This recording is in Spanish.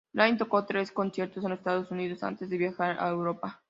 Dylan tocó tres conciertos en los Estados Unidos antes de viajar a Europa.